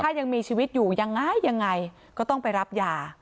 ถ้ายังมีชีวิตอยู่ยังไงยังไงก็ต้องไปรับยา